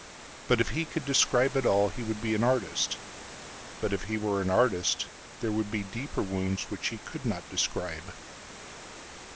But if he could describe it allHe would be an artist. But if he were an artist there would be deeper woundsWhich he could not describe.